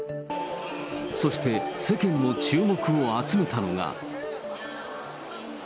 そして世間の注目を集めたのが。